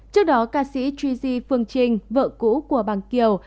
trước đó ca sĩ chuji phương trinh vợ cũ của bằng kiều